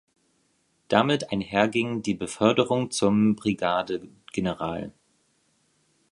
Damit einherging die Beförderung zum Brigadegeneral.